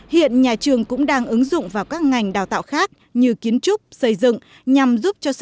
hiện nhà trường cũng đang ứng dụng vào các ngành đào tạo khác như kiến trúc xây dựng